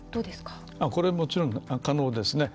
これはもちろん可能です。